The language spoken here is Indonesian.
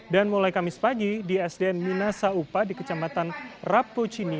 dan mulai kamis pagi di sd minasa upa di kecamatan rapucini